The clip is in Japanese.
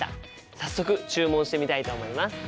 早速注文してみたいと思います。